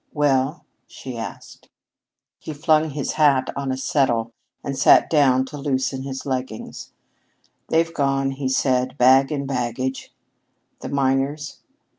"Well?" she asked. He flung his hat on a settle and sat down to loosen his leggings. "They've gone," he said, "bag and baggage." "The miners?"